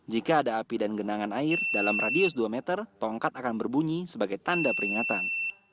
jika ada api dan genangan air dalam radius dua meter tongkat akan berbunyi sebagai tanda peringatan